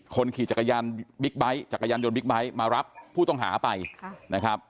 ขี่จักรยานบิ๊กไบท์จักรยานยนต์บิ๊กไบท์มารับผู้ต้องหาไปนะครับ